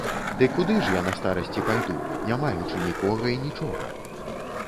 Ды куды ж я на старасці пайду, не маючы нікога і нічога?